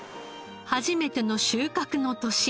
初めての収穫の年。